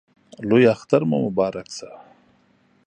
لوی اختر مو مبارک شه!